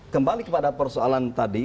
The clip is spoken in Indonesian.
kembali kepada persoalan tadi